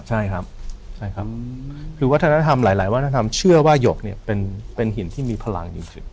ใช่ครับหือว่าหลายวัฒนธรรมเชื่อว่ายกเป็นหินที่มีพลังยืดขึ้น